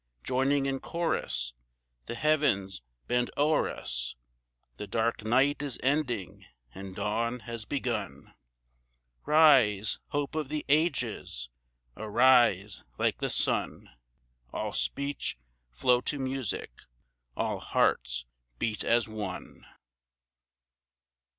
joining in chorus The heavens bend o'er us' The dark night is ending and dawn has begun; Rise, hope of the ages, arise like the sun, All speech flow to music, all hearts beat as one!